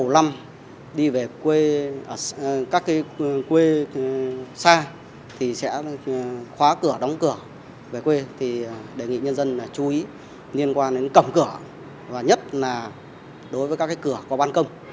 là đối tượng tiêu thụ xe máy táo tợn trên